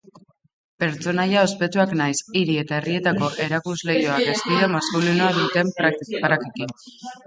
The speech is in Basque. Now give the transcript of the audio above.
Pertsonaia ospetsuak nahiz hiri eta herrietako erakusleihoak estilo maskulinoa duten prakekin jantzi dira.